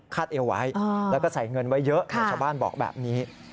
เอวไว้แล้วก็ใส่เงินไว้เยอะชาวบ้านบอกแบบนี้